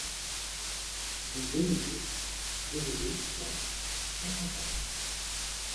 Rue Bénezet, zéro deux, cent Saint-Quentin